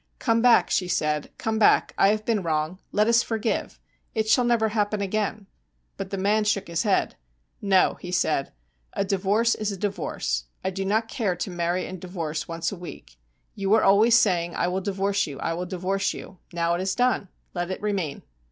'Come back,' she said, 'come back. I have been wrong. Let us forgive. It shall never happen again.' But the man shook his head. 'No,' he said; 'a divorce is a divorce. I do not care to marry and divorce once a week. You were always saying "I will divorce you, I will divorce you." Now it is done. Let it remain.'